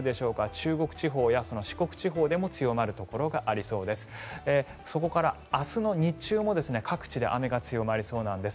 中国地方や四国地方でも強まるところがありそうです。